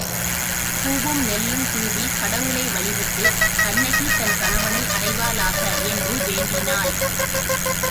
பூவும் நெல்லும் தூவிக் கடவுளை வழிபட்டுக் கண்ணகி தன் கணவனை அடைவாளாக என்று வேண்டினாள்.